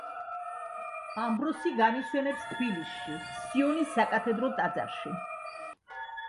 ამბროსი განისვენებს თბილისში, სიონის საკათედრო ტაძარში.